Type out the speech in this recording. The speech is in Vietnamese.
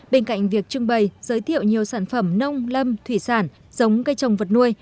bên cạnh việc trưng bày giới thiệu nhiều sản phẩm nông lâm thủy sản giống cây trồng vật nuôi